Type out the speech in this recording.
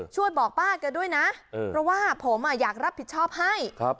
ช่วยบอกป้าแกด้วยนะเพราะว่าผมอยากรับผิดชอบให้